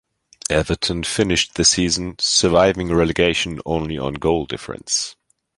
Everton finished the season surviving relegation only on goal difference.